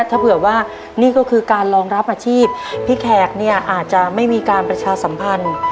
ถ้าเผื่อว่านี่ก็คือการรองรับอาชีพพี่แขกเนี่ยอาจจะไม่มีการประชาสัมพันธ์